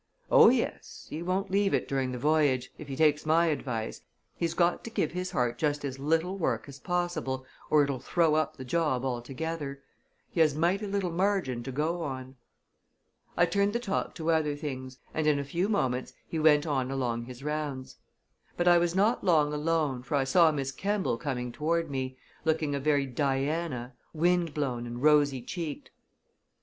"Oh, yes he won't leave it during the voyage, if he takes my advice. He's got to give his heart just as little work as possible, or it'll throw up the job altogether. He has mighty little margin to go on." I turned the talk to other things, and in a few moments he went on along his rounds. But I was not long alone, for I saw Miss Kemball coming toward me, looking a very Diana, wind blown and rosy cheeked.